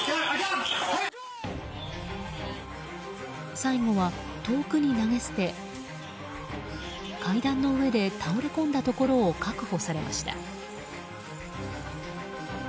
最後は遠くに投げ捨て階段の上で倒れ込んだところを確保されました。